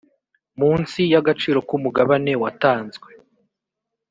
munsi y’agaciro k’umugabane watanzwe